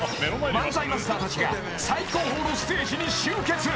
［漫才マスターたちが最高峰のステージに集結］